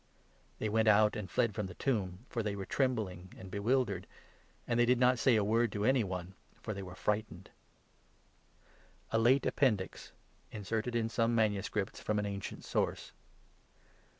'" They went out, and fled from the tomb, for they were trembling 8 and bewildered ; and they did not say a word to any one, for they were frightened ; A LATE APPENDIX. (Inserted in some manuscripts from an ancient source).